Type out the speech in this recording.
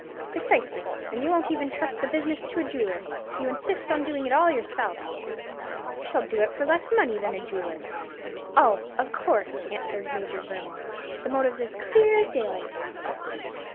"Precisely, and you won't even trust the business to a jeweller; you insist on doing it all yourself." "I shall do it for less money than a jeweller." "Oh, of course," answered Major Vernon; "the motive's as clear as daylight."